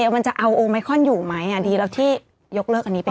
มันจะเอาโอไมคอนอยู่ไหมดีแล้วที่ยกเลิกอันนี้ไป